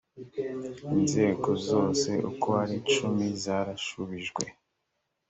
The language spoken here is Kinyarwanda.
inzego zose uko ari icumi zarashubijwe